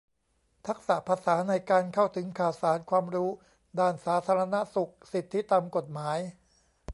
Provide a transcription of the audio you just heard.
ทักษะภาษาในการเข้าถึงข่าวสาร ความรู้ด้านสาธารณสุข สิทธิตามกฎหมาย